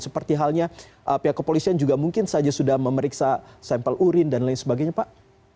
seperti halnya pihak kepolisian juga mungkin saja sudah memeriksa sampel urin dan lain sebagainya pak